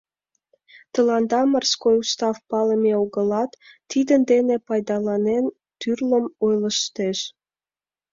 — Тыланда морской устав палыме огылат, тидын дене пайдаланен, тӱрлым ойлыштеш..